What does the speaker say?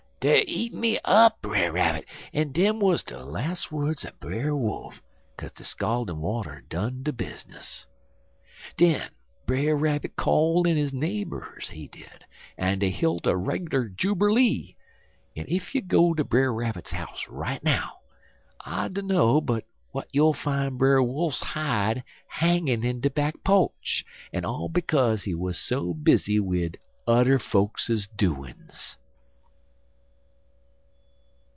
"'Dey er eatin' me up, Brer Rabbit,' en dem wuz de las words er Brer Wolf, kase de scaldin' water done de bizness. "Den Brer Rabbit call in his neighbors, he did, en dey hilt a reg'lar juberlee; en ef you go ter Brer Rabbit's house right now, I dunno but w'at you'll fine Brer Wolfs hide hangin' in de back po'ch, en all bekaze he wuz so bizzy wid udder fo'kses doin's."